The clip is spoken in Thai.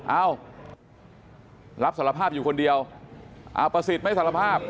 เอ้ารับสารภาพอยู่คนเดียวอาประสิทธิ์ไม่สารภาพ